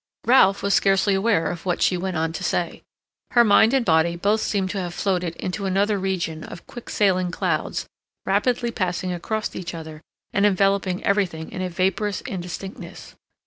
Ralph was scarcely aware of what she went on to say. Her mind and body both seemed to have floated into another region of quick sailing clouds rapidly passing across each other and enveloping everything in a vaporous indistinctness.